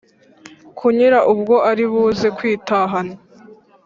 kunyura ubwo aribuze kwitahana.